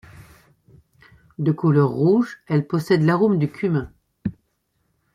De couleur rouge, elle possède l'arôme du cumin.